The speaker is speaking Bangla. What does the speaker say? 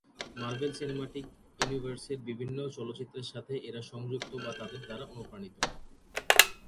মার্ভেল সিনেম্যাটিক ইউনিভার্সের বিভিন্ন চলচ্চিত্রের সাথে এরা সংযুক্ত বা তাদের দ্বারা অনুপ্রাণিত।